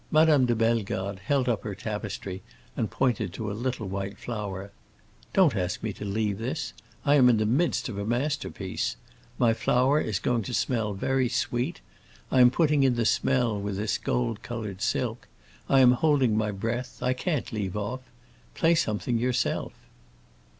Madame de Bellegarde held up her tapestry and pointed to a little white flower. "Don't ask me to leave this. I am in the midst of a masterpiece. My flower is going to smell very sweet; I am putting in the smell with this gold colored silk. I am holding my breath; I can't leave off. Play something yourself."